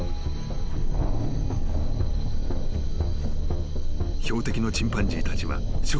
［標的のチンパンジーたちは］